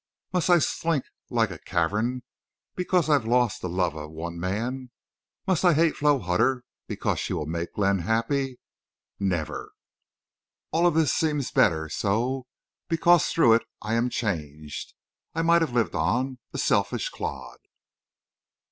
Must I slink like a craven because I've lost the love of one man? Must I hate Flo Hutter because she will make Glenn happy? Never!... All of this seems better so, because through it I am changed. I might have lived on, a selfish clod!"